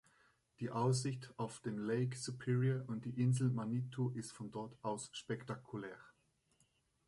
Die Aussicht auf den Lake Superior und die Insel Manitou ist von dort aus spektakulär.